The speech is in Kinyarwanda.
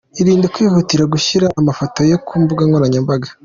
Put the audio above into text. Irinde kwihutira gushyira amafoto ye ku mbuga nkoranyambaga.